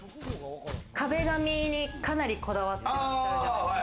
壁紙にかなりこだわっていらっしゃるじゃないですか。